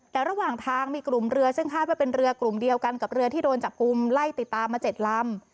แต่ระหว่างทางมีกลุ่มเรือซึ่งคาดว่าเป็นเรือกลุ่มเดียวกันกับเรือที่โดนจับกลุ่มไล่ติดตามมา๗ลำ